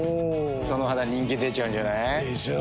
その肌人気出ちゃうんじゃない？でしょう。